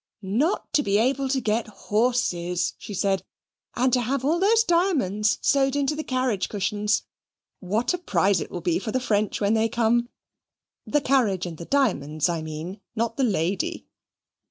"Not to be able to get horses!" she said, "and to have all those diamonds sewed into the carriage cushions! What a prize it will be for the French when they come! the carriage and the diamonds, I mean; not the lady!"